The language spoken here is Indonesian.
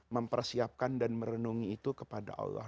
mempersiapkan dan merenungi itu kepada allah